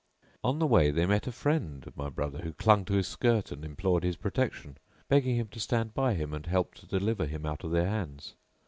On the way they met a friend of my brother who clung to his skirt and implored his protection, begging him to stand by him and help to deliver him out of their hands.